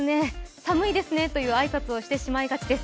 寒いですねという挨拶をしてしまいがちです。